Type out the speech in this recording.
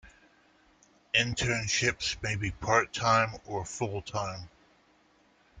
Internships may be part-time or full-time.